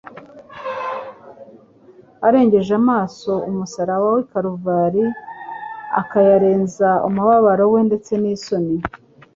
Arengeje amaso umusaraba w'i Karuvali, akayarenza umubabaro we ndetse n'isoni,